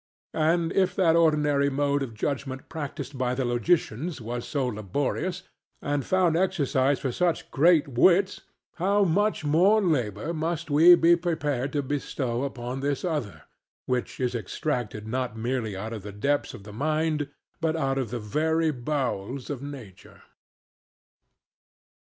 And if that ordinary mode of judgment practised by the logicians was so laborious, and found exercise for such great wits how much more labour must we be prepared to bestow upon this other, which is extracted not merely out of the depths of the mind, but out of the very bowels of nature.